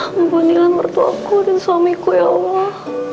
mampu nilai mertuaku dan suamiku ya allah